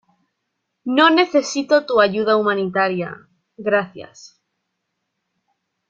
no necesito tu ayuda humanitaria, gracias.